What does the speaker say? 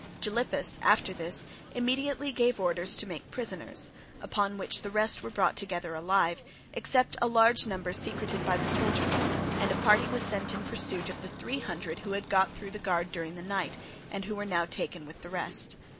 Gylippus, after this, immediately gave orders to make prisoners; upon which the rest were brought together alive, except a large number secreted by the soldiery, and a party was sent in pursuit of the three hundred who had got through the guard during the night, and who were now taken with the rest.